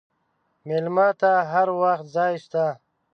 مېلمه ته هر وخت ځای شته.